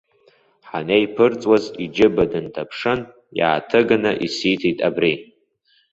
Ҳанеиԥырҵуаз иџьыба дынҭаԥшын, иааҭыганы исиҭеит абри!